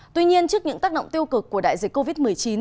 tuy nhiên trước những tác động tiêu cực của đại dịch covid một mươi chín